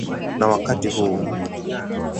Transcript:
Na wakati huo